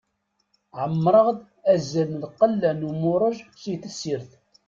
Ɛemmreɣ-d azal n lqella n umuṛej si tessirt.